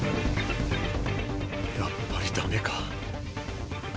やっぱりダメか。